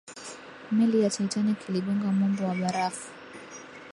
meli ya titanic iligonga mwamba wa barafu